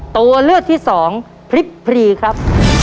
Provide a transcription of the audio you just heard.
ตัวเลือกที่สองพริบพรีครับ